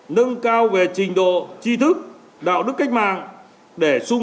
nâng cao về trình độ chi thức đạo đức cách mạng để xung